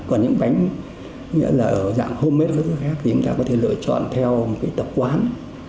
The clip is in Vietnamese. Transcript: còn những bánh nghĩa là ở dạng homemade hay thứ khác thì chúng ta có thể lựa chọn theo một cái tập quán